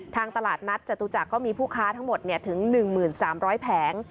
ตลาดนัดจตุจักรก็มีผู้ค้าทั้งหมดถึง๑๓๐๐แผง